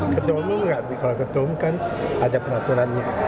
ketum nggak kalau ketum kan ada peraturannya